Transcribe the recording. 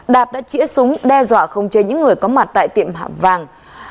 đạt đã chỉa súng đe dọa không chế những người có mặt tại tiệm hạm vàng